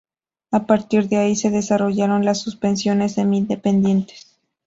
A partir de ahí se desarrollaron las suspensiones semi-independientes.